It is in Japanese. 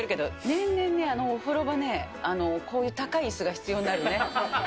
年々、お風呂場ね、こういう高いいすが必要になるね。